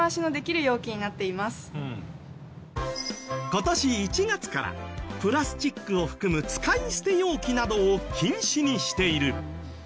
今年１月からプラスチックを含む使い捨て容器などを禁止にしている。